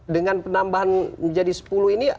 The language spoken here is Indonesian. dengan penambahan jadi sepuluh ini